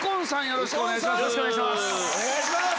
よろしくお願いします。